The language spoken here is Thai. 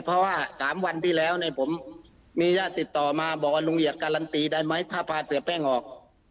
เพราะว่า๓วันที่แล้วเนี่ยผมมีญาติติดต่อมาบอกว่าลุงเอียดการันตีได้ไหมถ้าพาเสียแป้งออก